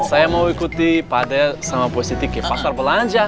saya mau ikuti pade sama bos siti ke pasar belanja